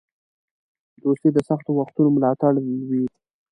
دوستي د سختو وختونو ملاتړی وي.